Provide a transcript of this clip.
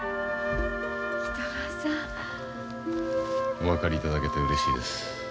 お分かりいただけてうれしいです。